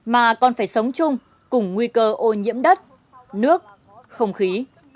mà còn phải sống chung cùng nguy cơ ô nhiễm đất nước không khí